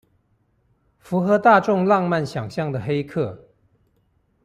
符合大眾浪漫想像的黑客